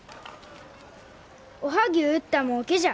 おはぎゅう売ったもうけじゃ。